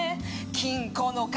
金庫の鍵